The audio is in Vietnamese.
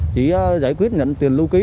chỉ giải quyết nhận tiền lưu ký